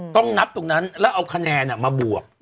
ต้องนับตรงนั้นแล้วเอาคะแนนมาบวก